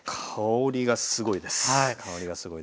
香りがすごいです。